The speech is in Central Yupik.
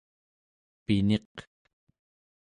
piniq